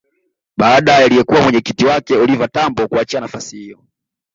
Baada ya aliyekuwa mwenyekiti wake Oliva Tambo kuachia nafasi hiyo